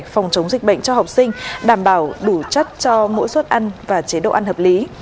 phòng chống dịch bệnh cho học sinh đảm bảo đủ chất cho mỗi suất ăn và chế độ ăn hợp lý